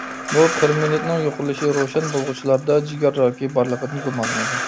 بۇ فېرمېنتنىڭ يۇقىرىلىشى روشەن بولغۇچىلاردا جىگەر راكى بارلىقىدىن گۇمانلىنىدۇ.